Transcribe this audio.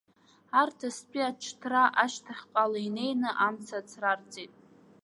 Арҭ астәи аҽҭра ашьҭахьҟала инеины, амца ацрарҵеит.